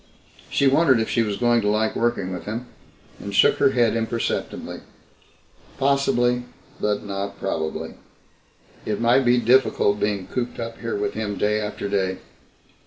She wondered if she was going to like working with him, and shook her head imperceptibly. Possibly, but not probably. It might be difficult being cooped up here with him day after day.